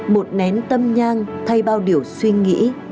một nén tâm nhang thay bao điều suy nghĩ